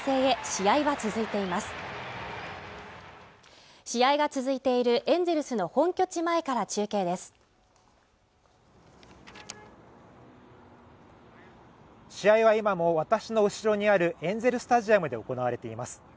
試合は続いています試合が続いているエンゼルスの本拠地前から中継です試合は今も私の後ろにあるエンゼルスタジアムで行われています